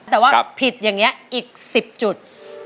แต่ว่าผิดอย่างนี้อีก๑๐จุด